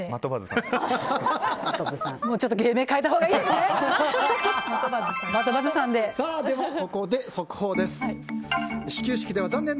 ちょっと芸名変えたほうがいいですね。